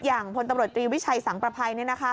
อย่างพตวิชัยสังประไพร